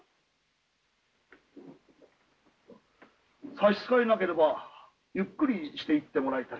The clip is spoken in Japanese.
差し支えなければゆっくりしていってもらいたい。